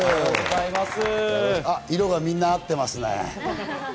色がみんな、合っていますね。